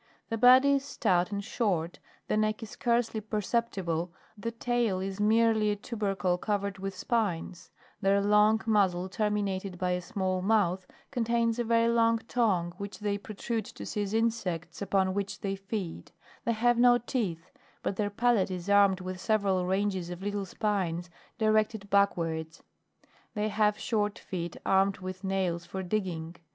The body is stout and short, the neck is scarcely perceptible, the tail is merely a tubercle covered with spines ; their long muzzle terminated by a small mouth, contains a very long tongue, which they protrude to seize insects, upon which they feed ; they have no teeth, but their palate is armed with several ranges of little spines directed backwards; they have short feet armed with nails for digging.